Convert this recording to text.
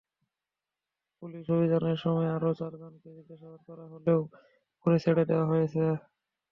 পুলিশি অভিযানের সময় আরও চারজনকে জিজ্ঞাসাবাদ করা হলেও পরে ছেড়ে দেওয়া হয়েছে।